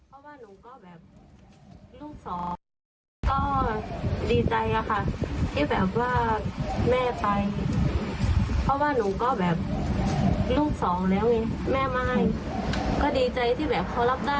รับได้แล้วก็เอ็นดูรักเราแบบนี้ก็ดีใจแล้วค่ะ